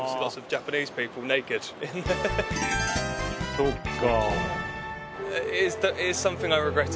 そっか。